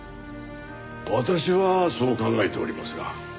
私はそう考えておりますが。